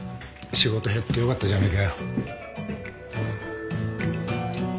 仕事減ってよかったじゃねえかよ。